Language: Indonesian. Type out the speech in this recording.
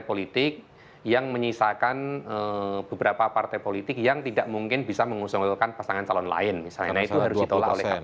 politik yang menyisakan beberapa partai politik yang tidak mungkin bisa mengusungkan partai politik yang tidak mungkin bisa mengusungkan partai politik yang tidak mungkin bisa mengusungkan